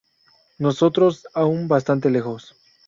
nosotros, aún bastante lejos